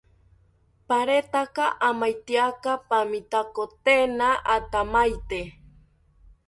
Paretaka amaityaka pamitakotena athamaite